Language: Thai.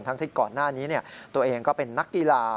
ที่ก่อนหน้านี้ตัวเองก็เป็นนักกีฬา